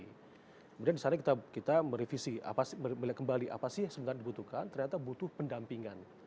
kemudian di sana kita merevisi melihat kembali apa sih yang sebenarnya dibutuhkan ternyata butuh pendampingan